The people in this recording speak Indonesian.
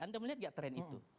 anda melihat nggak tren itu